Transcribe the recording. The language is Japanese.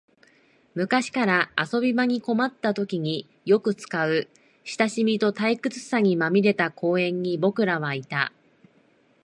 昔から遊び場に困ったときによく使う、親しみと退屈さにまみれた公園に僕らはいた